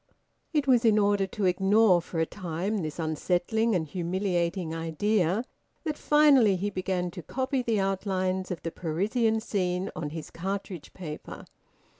It was in order to ignore for a time this unsettling and humiliating idea that, finally, he began to copy the outlines of the Parisian scene on his cartridge paper.